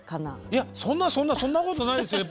いやそんなそんなそんなことないですよ。